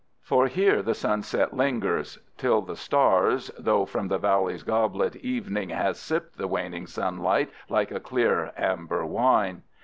For here the sunset lingers till the stars, though from the valley's goblet evening has sipped the waning sunlight like a clear amber wine.